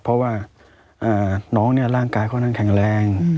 เพราะว่าน้องเนี่ยร่างกายเขานั่งแข็งแรง